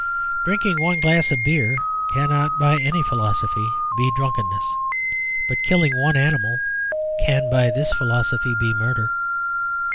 Drinking one glass of beer cannot by any philosophy be drunkenness; but killing one animal can, by this philosophy, be murder.